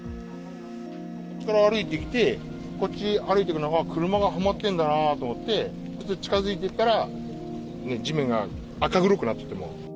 ここから歩いてきて、こっち、歩いていって、車がはまってんだなと思って、近づいていったら、地面が赤黒くなってて。